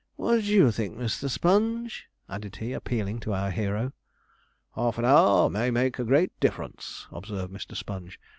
'What do you think, Mr. Sponge?' added he, appealing to our hero. 'Half an hour may make a great difference,' observed Mr. Sponge.